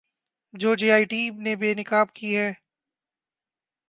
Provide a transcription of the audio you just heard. جو J I T نے بے نقاب کی ہیں